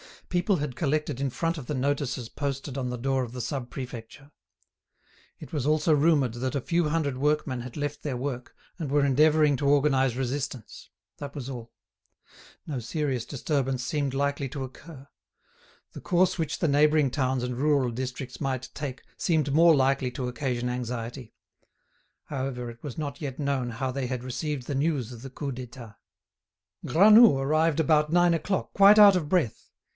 People had collected in front of the notices posted on the door of the Sub Prefecture; it was also rumoured that a few hundred workmen had left their work and were endeavouring to organise resistance. That was all. No serious disturbance seemed likely to occur. The course which the neighbouring towns and rural districts might take seemed more likely to occasion anxiety; however, it was not yet known how they had received the news of the Coup d'État. Granoux arrived at about nine o'clock, quite out of breath.